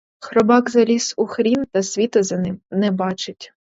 Хробак заліз у хрін та світа за ним не бачить.